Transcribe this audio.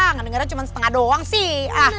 nggak dengarnya cuma setengah doang sih